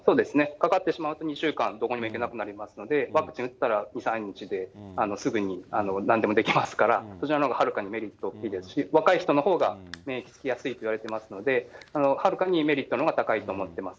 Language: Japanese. かかってしまうと２週間、どこにも行けなくなりますので、ワクチン打ったら、２、３日ですぐになんでもできますから。そちらのほうがはるかにメリットですし、若い人のほうが免疫つきやすいといわれていますので、はるかにメリットのほうが高いと思ってます。